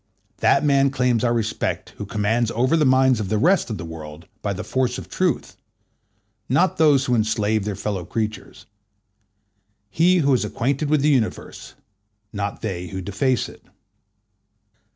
That man claims our respect who commands over the minds of the rest of the world by the force of truth, not those who enslave their fellow creatures: he who is acquainted with the universe, not they who deface it.